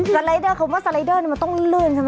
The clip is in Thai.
สไลด์เดอร์เขาบอกว่าสไลด์เดอร์มันต้องเลื่อนใช่ไหม